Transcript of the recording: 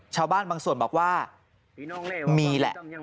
ชาวบ้านบางส่วนบอกว่ามีแหละ